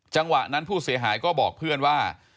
จังหวะนั้นผู้เสียหายก็บอกเพื่อนว่า